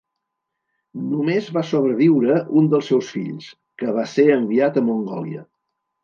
Només va sobreviure un dels seus fills, que va ser enviat a Mongòlia.